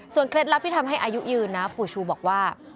เคล็ดลับที่ทำให้อายุยืนนะปู่ชูบอกว่า